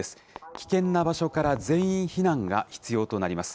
危険な場所から全員避難が必要となります。